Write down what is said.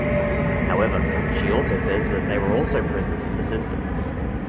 However, she also says that they were also prisoners of the system.